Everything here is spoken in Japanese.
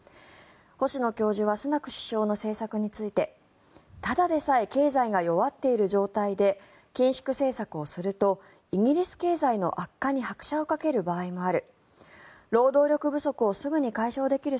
星野教授はスナク首相の政策についてただでさえ経済が弱っている状態で緊縮政策をするとイギリス経済の悪化に拍車をかける場合もある。